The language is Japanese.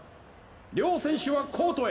両選手はコートへ！